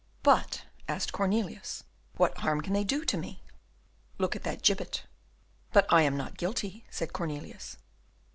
"But," asked Cornelius, "what harm can they do to me?" "Look at that gibbet." "But I am not guilty," said Cornelius.